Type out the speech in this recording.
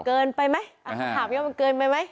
เกินไปไหมฮะถามให้ว่าเกินไปไหม